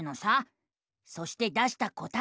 そして出した答えは。